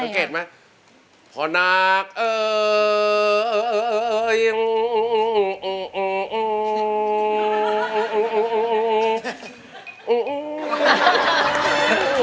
เจ้าเข็นไหมพอนากเอ่ออืออืออืออืออืออืออือ